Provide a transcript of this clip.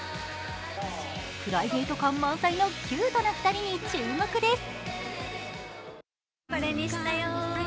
プライベート感満載のキュートな２人に注目です。